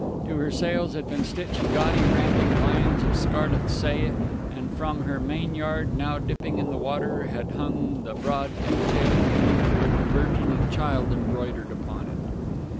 To her sails had been stitched gaudy ramping lions of scarlet saye, and from her mainyard, now dipping in the water, had hung the broad two tailed pennant with the Virgin and Child embroidered upon it....